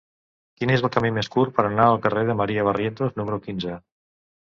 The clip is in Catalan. Quin és el camí més curt per anar al carrer de Maria Barrientos número quinze?